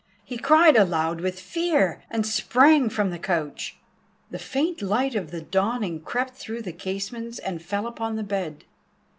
He cried aloud with fear, and sprang from the couch. The faint light of the dawning crept through the casements and fell upon the bed.